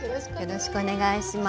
よろしくお願いします。